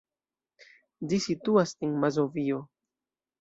Ĝi situas en Mazovio.